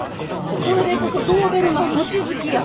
それでこそドーベルマン望月や。